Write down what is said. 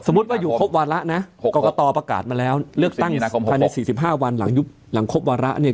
สมมติว่าอยู่ครบวาระนะกรกตประกาศมาแล้วเลือกตั้งใน๔๕วันหลังครบวาระเนี่ย